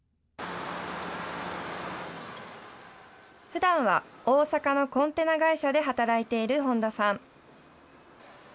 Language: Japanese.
ふだんは、大阪のコンテナ会社で働いている本多さん。